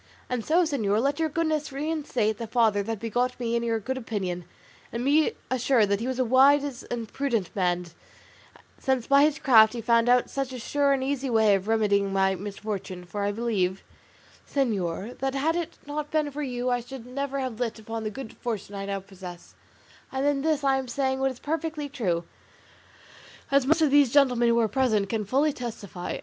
And so, señor, let your goodness reinstate the father that begot me in your good opinion, and be assured that he was a wise and prudent man, since by his craft he found out such a sure and easy way of remedying my misfortune; for I believe, señor, that had it not been for you I should never have lit upon the good fortune I now possess; and in this I am saying what is perfectly true; as most of these gentlemen who are present can fully testify.